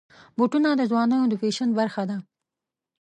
بوټونه د ځوانانو د فیشن برخه ده.